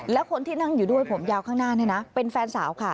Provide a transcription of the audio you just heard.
แล้วคนที่นั่งอยู่ด้วยผมยาวข้างหน้าเนี่ยนะเป็นแฟนสาวค่ะ